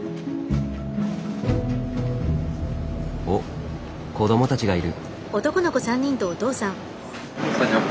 おっ子どもたちがいる。